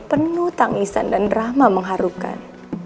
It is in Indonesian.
penuh tangisan dan rahma mengharukan